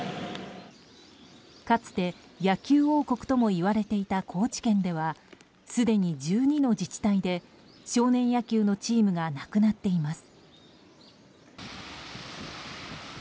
かつて野球王国ともいわれていた高知県ではすでに１２の自治体で少年野球のチームがなくなっています。